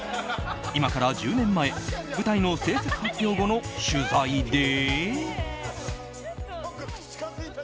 今から１０年前舞台の制作発表後の取材で。